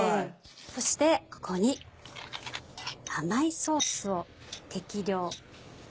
そしてここに甘いソースを適量。